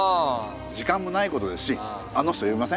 時間もないことですしあの人呼びません？